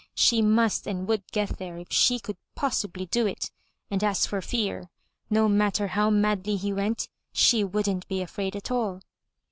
She must and would get there if she could possibly do it. And as for fear, no matter how madly he went, she wouldn't be afraid at all.